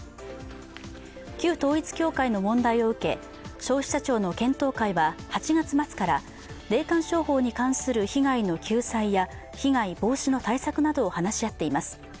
旧統一教会の問題を受け、消費者庁の検討会は８月末から霊感商法に関する被害の救済や被害防止の対策などを話し合っています。